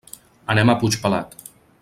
Anem a Puigpelat.